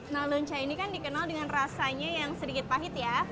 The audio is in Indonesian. nah lonca ini kan dikenal dengan rasanya yang sedikit pahit ya